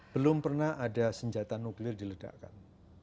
belum pernah ada senjata nuklir diledakkan